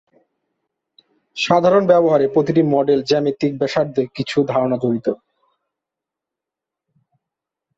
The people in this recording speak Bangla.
সাধারণ ব্যবহারের প্রতিটি মডেলে জ্যামিতিক ব্যাসার্ধের কিছু ধারণা জড়িত।